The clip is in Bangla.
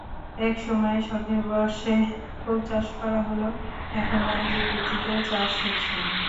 একসময় শখের বশে ফুল চাষ করা হলেও এখন বাণিজ্যিক ভিত্তিতে চাষ হচ্ছে।